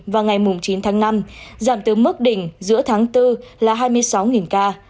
và ngày chín tháng năm giảm từ mức đỉnh giữa tháng bốn là hai mươi sáu ca